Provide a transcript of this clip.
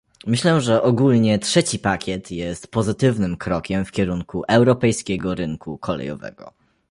Myślę że ogólnie trzeci pakiet jest pozytywnym krokiem w kierunku europejskiego rynku kolejowego